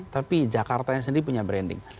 tapi jakarta yang sendiri punya branding